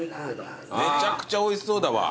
めちゃくちゃおいしそうだわ。